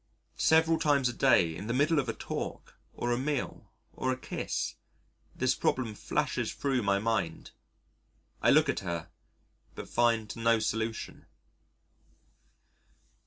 Several times a day in the middle of a talk, or a meal, or a kiss, this problem flashes thro' my mind. I look at her but find no solution.